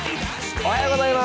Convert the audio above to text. おはようございます。